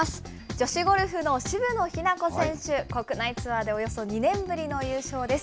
女子ゴルフの渋野日向子選手、国内ツアーでおよそ２年ぶりの優勝です。